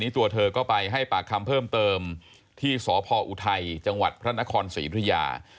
ตัวเธอก็ไปให้ปากคำเพิ่มเติมที่สพออุทัยจังหวัดพระนครศรีธุยา